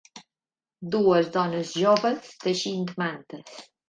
Dues dones joves teixint mantes